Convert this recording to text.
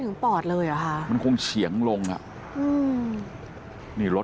ปอดเลยเหรอคะมันคงเฉียงลงอ่ะอืมนี่รถ